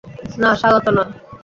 না, স্বাগত নয়।